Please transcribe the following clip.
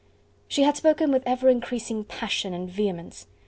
She had spoken with ever increasing passion and vehemence.